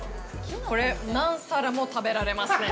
これ、何皿も食べられますね。